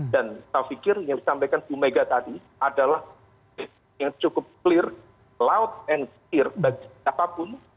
dan saya pikir yang disampaikan bumega tadi adalah yang cukup clear loud and clear bagi siapapun